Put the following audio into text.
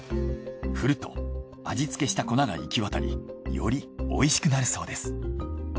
振ると味付けした粉が行き渡りよりおいしくなるそうです。